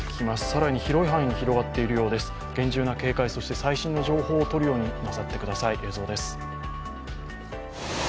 更に広い範囲に広がっているようです、厳重な警戒最新の情報をとるようになさってください。